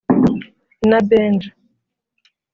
na Benjah